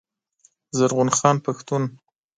زرغون خان پښتون